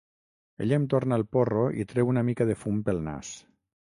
Ella em torna el porro i treu una mica de fum pel nas.